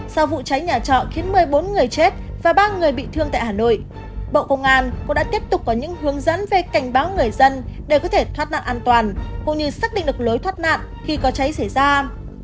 sau vụ cháy nhà trọ khiến một mươi bốn người chết và ba người bị thương tại hà nội bộ công an cũng đã tiếp tục có những hướng dẫn về cảnh báo người dân để có thể thoát nạn an toàn cũng như xác định được lối thoát nạn khi có cháy xảy ra